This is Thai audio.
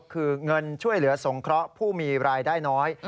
คือเงินช่วยเหลือสงเคราะห์ผู้มีรายได้น้อย